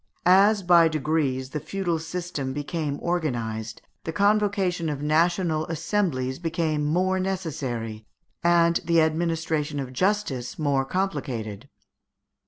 As, by degrees, the feudal System became organized, the convocation of national assemblies became more necessary, and the administration of justice more complicated.